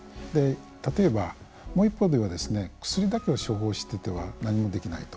例えば、もう一方では薬だけを処方していては何もできないと。